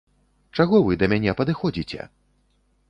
Чаго вы да мяне падыходзіце?!